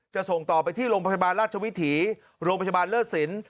ส่งต่อไปที่โรงพยาบาลราชวิถีโรงพยาบาลเลิศสิน